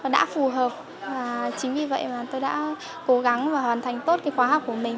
đã phù hợp và chính vì vậy mà tôi đã cố gắng và hoàn thành tốt cái khóa học của mình